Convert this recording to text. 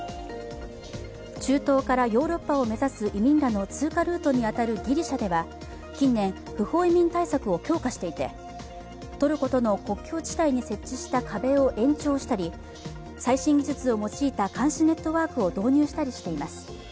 中東からヨーロッパを目指す移民らの通過ルートに当たるギリシャでは近年、不法移民対策を強化していて、トルコとの国境地帯に設置した壁を延長したり最新技術を用いた監視ネットワークを導入したりしています。